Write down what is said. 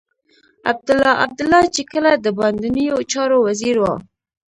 عبدالله عبدالله چې کله د باندنيو چارو وزير و.